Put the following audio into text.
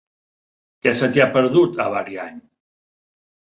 Què se t'hi ha perdut, a Ariany?